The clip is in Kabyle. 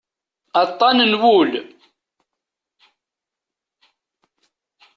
Aṭṭan n wul.